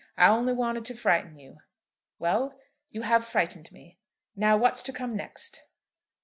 "I only wanted to frighten you." "Well; you have frightened me. Now, what's to come next?"